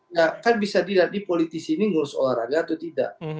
nah kan bisa dilihat politisi ini mengurus olahraga atau tidak